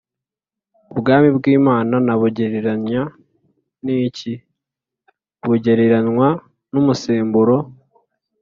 ubwami bw imana nabugereranya n iki bugereranywa n umusemburo